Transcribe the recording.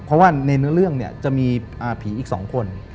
เพราะว่าในเนื้อเรื่องเนี่ยจะมีผีอีก๒คน